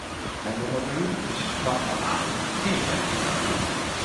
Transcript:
Han lod mig løbe paa sin Haand og Arm, heelt op i Ærmet.